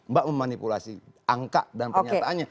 mbak memanipulasi angka dan pernyataannya